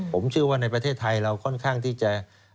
ผมเชื่อว่าในประเทศไทยเราค่อนข้างที่จะ